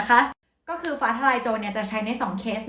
ก็คือฟ้าทลายโจรจะใช้ใน๒เคส